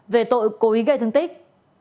về tội cố ý gây thương tích